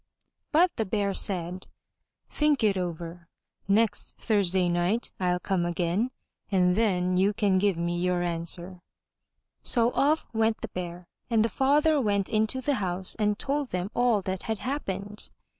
But the White Bear said, "Think it over; next Thursday night ril come again and then you can give me your answer/' So off went the Bear and the father went into the house and told them all that had happened.